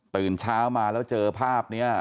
ตื่นเช้ามาแล้วเจอภาพนี้